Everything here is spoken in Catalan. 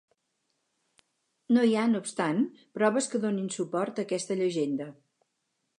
No hi ha, no obstant, proves que donin suport a aquesta llegenda.